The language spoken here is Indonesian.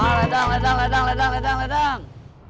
oh ledang ledang ledang ledang ledang